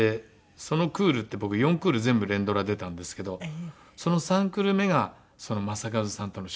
そのクールって僕４クール全部連ドラ出たんですけどその３クール目が正和さんとの仕事だったんですよ。